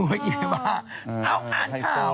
ได้ครับเอาอ่านข้าว